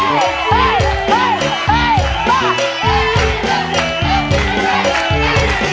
ยังไม่มีให้รักยังไม่มี